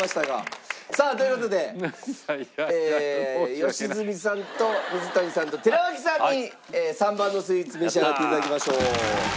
良純さんと水谷さんと寺脇さんに３番のスイーツ召し上がって頂きましょう。